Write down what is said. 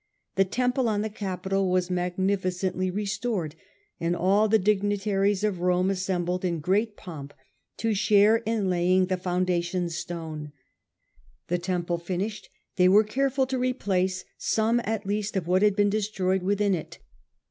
The temple on the Capitol was magnificently restored, and all the dignitaries of Rome assembled in great pomp to share in laying the founda tion stone. The temple finished, they were careful to re place some at least of what had been destroyed within it.